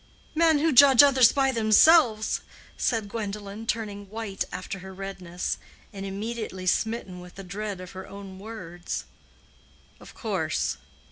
"Men who judge of others by themselves," said Gwendolen, turning white after her redness, and immediately smitten with a dread of her own words. "Of course.